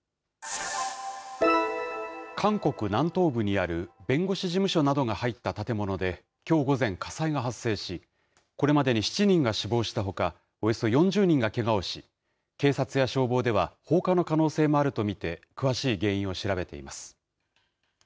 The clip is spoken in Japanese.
韓国南東部にある弁護士事務所などが入った建物で、きょう午前、火災が発生し、これまでに７人が死亡したほか、およそ４０人がけがをし、警察や消防では、放火の可能性もあると見て、詳しい原因を調べています。